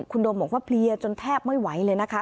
คุณโดมบอกว่าเพลียจนแทบไม่ไหวเลยนะคะ